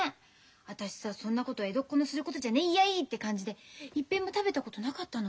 私さそんなこと江戸っ子のすることじゃねえやいって感じでいっぺんも食べたことなかったの。